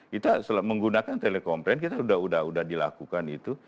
kita menggunakan telekomplain kita sudah dilakukan itu